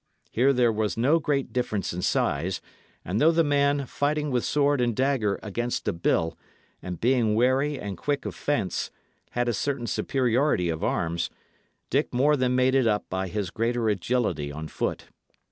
Here there was no great difference in size, and though the man, fighting with sword and dagger against a bill, and being wary and quick of fence, had a certain superiority of arms, Dick more than made it up by his greater agility on foot.